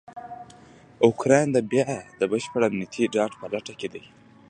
اوکرایین بیا دبشپړامنیتي ډاډ په لټه کې دی.